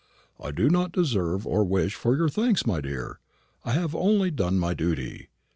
"I do not deserve or wish for your thanks, my dear. I have only done my duty."